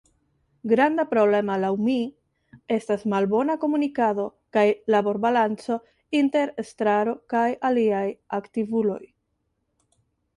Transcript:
Granda problemo laŭ mi estas malbona komunikado kaj laborbalanco inter Estraro kaj aliaj aktivuloj.